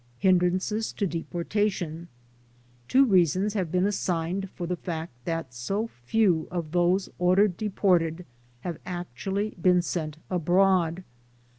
Hindrances to Deportation Two reasons have been assigned for the fact that so few of those ordered deported have actually been sent abroad.